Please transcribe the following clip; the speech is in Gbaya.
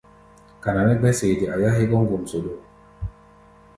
Kana nɛ́ gbɛ̧́ sede a yá hégɔ́ ŋgomsoɗo.